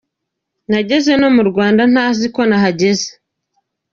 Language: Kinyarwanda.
Nageze no mu Rwanda ntazi ko nahageze.